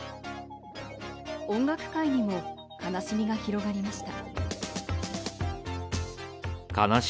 音楽界にも悲しみが広がりました。